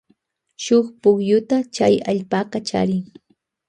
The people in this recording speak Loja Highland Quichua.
Chay allpaka charin shuk pukyuta.